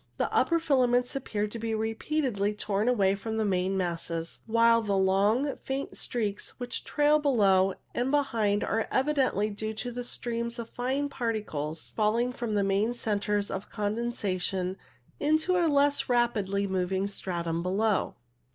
The upper filaments appeared to be repeatedly torn away from the main masses, while the long faint streaks which trail below and behind are evidently due to streams of fine particles (0 '^ IE =:> Q < A a, WINDY CIRRUS 33 falling from the main centres of condensation into a less rapidly moving stratum below.